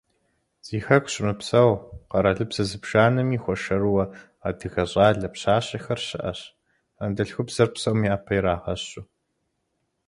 Зи Хэку щымыпсэу, къэралыбзэ зыбжанэми хуэшэрыуэ адыгэ щӀалэ, пщащэхэр щыӀэщ, анэдэлъхубзэр псом япэ ирагъэщу.